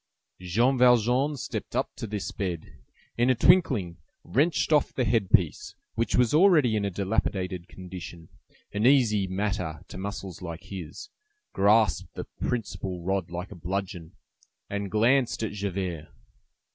Jean Valjean stepped up to this bed, in a twinkling wrenched off the head piece, which was already in a dilapidated condition, an easy matter to muscles like his, grasped the principal rod like a bludgeon, and glanced at Javert.